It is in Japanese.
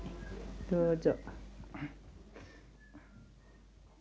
どうぞ。